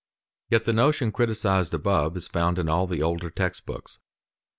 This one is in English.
Yet the notion criticized above is found in all the older text books.